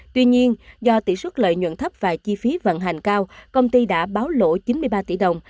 tuy nhiên do tỷ suất lợi nhuận thấp và chi phí vận hành cao công ty đã báo lỗ chín mươi ba tỷ đồng